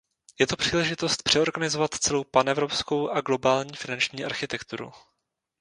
Je to příležitost přeorganizovat celou panevropskou a globální finanční architekturu.